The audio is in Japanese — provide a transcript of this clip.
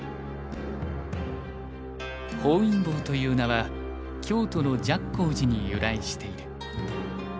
「本因坊」という名は京都の寂光寺に由来している。